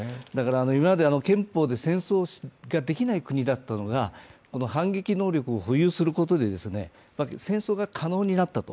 今まで憲法で戦争ができない国だったのが反撃能力を保有することで戦争が可能になったと。